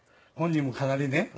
本人もかなりね